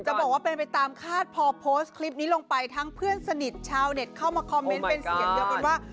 บอกว่าเป็นไปตามคาดพอโพสต์คลิปนี้ลงไปทั้งเพื่อนสนิทชาวเน็ตเข้ามาคอมเมนต์เป็นเสียงเดียวกันว่า